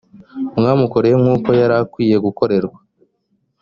mwamukoreye nk’uko yari akwiriye gukorerwa